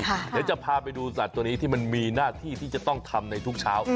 เดี๋ยวจะพาไปดูสัตว์ตัวนี้ที่มันมีหน้าที่ที่จะต้องทำในทุกเช้า